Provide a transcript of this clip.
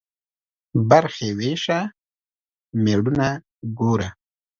برخي ويشه ، مړونه گوره.